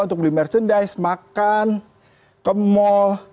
untuk beli merchandise makan ke mall